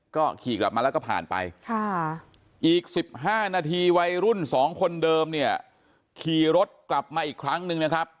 ก็ขี่กลับมาแล้วก็ผ่านไปอีก๑๕นาทีวัยรุ่น๒คนเดิมเนี่ยขี่รถกลับมาอีกครั้งนึงนะครับ